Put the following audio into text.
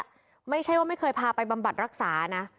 ไม่ใช่ว่าไม่เคยพาไปบำบัดรักษานะ